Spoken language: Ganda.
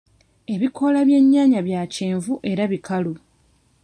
Ebikoola by'ennyaanya bya kyenvu era bikalu.